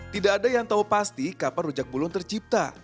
tidak ada yang tahu pasti kapan rujak bulung tercipta